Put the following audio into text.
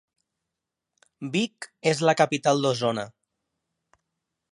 Vic és la capital d'Osona.